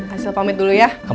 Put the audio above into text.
acil pamit dulu ya